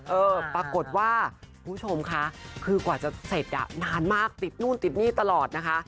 เออปรากฏว่าคุณผู้ชมค่ะคือกว่าจะเสร็จอ่ะนานมากติดนู่นติดนี่ตลอดนะคะ